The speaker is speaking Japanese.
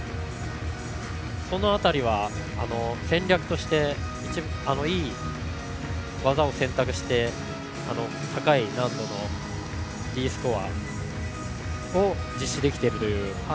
その辺りは戦略としていい技を選択して高い難度のＤスコアを実施できているという。